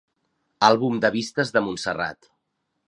Àlbum de vistes de Montserrat.